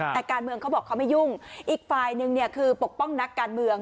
แต่การเมืองเขาบอกเขาไม่ยุ่งอีกฝ่ายนึงเนี่ยคือปกป้องนักการเมือง